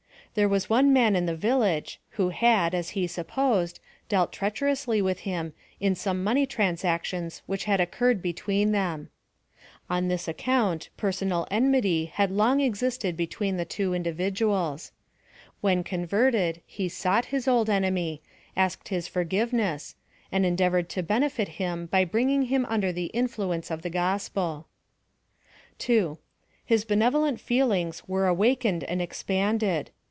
There was one man in the village, who had, as he supposed, dealt treacherously witli him, in some money transactions which had occurred between them. On this account, personal enmity had long PLAN OF SALVATION. 251 existe«l between the two inlividnals. When con verted, he sought his old enemy — asked his forgive ness ; and endeavored to benefit him by bringing him under the influence of the gospel. 2. His benevolent feelings were awakened and expanded.